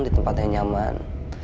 di tempat yang nyaman